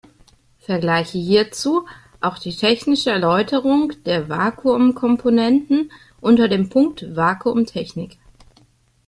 Vergleiche hierzu auch die technische Erläuterungen der Vakuum-Komponenten unter dem Punkt Vakuumtechnik.